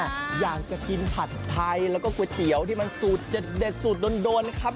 อยากจะกินผัดไทยแล้วก็ก๋วยเตี๋ยวที่มันสูตรเด็ดสูตรโดนนะครับ